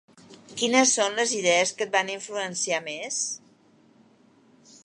Quines són les idees que et van influenciar més?